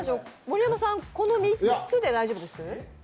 盛山さん、この３つで大丈夫ですか？